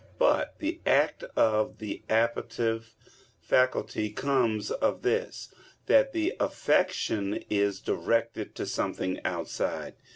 But the act of the appetitive faculty comes of this, that the affection is directed to something outside.